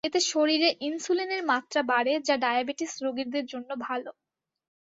এতে শরীরে ইনসুলিনের মাত্রা বাড়ে যা ডায়াবেটিস রোগীদের জন্য ভালো।